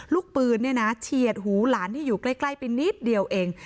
ลูกปืนเนี่ยนะเฉียดหูหลานที่อยู่ใกล้ไปนิดเดียวเอง